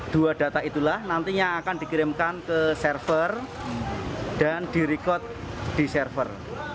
dua data itulah nantinya akan dikirimkan ke server dan di record di server